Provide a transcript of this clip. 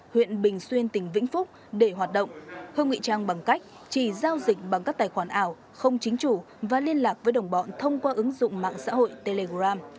hưng có quyền cao nhất cho đăng bằng cách chỉ giao dịch bằng các tài khoản ảo không chính chủ và liên lạc với đồng bọn thông qua ứng dụng mạng xã hội telegram